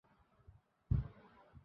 মাঝবয়সী লোক, সামনে থেকে আসছে।